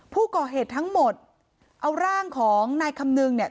ผู้ก่อเหตุทั้งหมดเอาร่างของนายคำนึงเนี่ย